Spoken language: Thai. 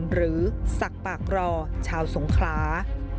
หรือศักดิ์ปากรอชาวสงขลา